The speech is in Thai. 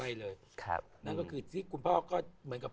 ไม่เลยครับนั่นก็คือที่คุณพ่อก็เหมือนกับ